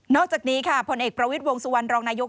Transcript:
อกจากนี้ค่ะผลเอกประวิทย์วงสุวรรณรองนายก